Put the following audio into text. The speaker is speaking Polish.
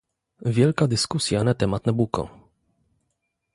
Wielka dyskusja na temat Nabucco